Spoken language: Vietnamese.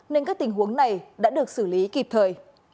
nên các tình huống này đã được xử lý kịp thời